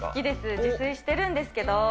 自炊してるんですけど。